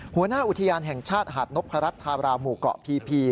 หัวหน้าอุทยานแห่งชาติหาดนพรัชธาราหมู่เกาะพี